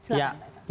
silahkan pak irvan